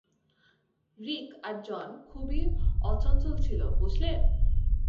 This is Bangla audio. রিক আর জন খুবই অচঞ্চল ছিল, বুঝলে?